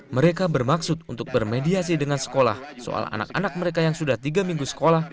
mereka bermaksud untuk bermediasi dengan sekolah soal anak anak mereka yang sudah tiga minggu sekolah